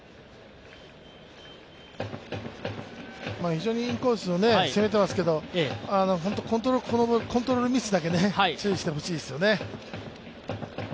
非常にインコースを攻めていますけど、コントロールミスだけ注意してほしいですよね。